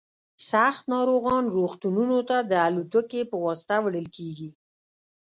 سخت ناروغان روغتونونو ته د الوتکې په واسطه وړل کیږي